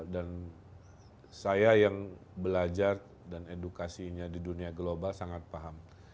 dan saya yang belajar dan edukasinya di dunia global sangat paham